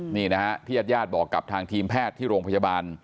นี่นะฮะที่ญาติญาติบอกกับทางทีมแพทย์ที่โรงพยาบาล